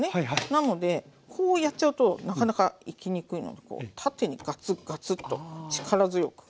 なのでこうやっちゃうとなかなかいきにくいのでこう縦にガツッガツッと力強く。